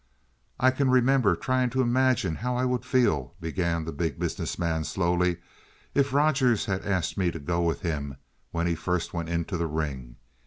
"I can remember trying to imagine how I would feel," began the Big Business Man slowly, "if Rogers had asked me to go with him when he first went into the ring.